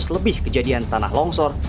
enam ratus lebih kejadian tanah longsor